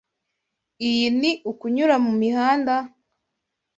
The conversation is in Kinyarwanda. Iyi ni kunyura mumihanda?